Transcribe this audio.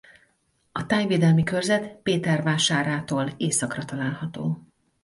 A tájvédelmi körzet Pétervásárától északra található.